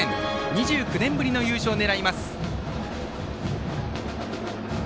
２９年ぶりの優勝を狙います。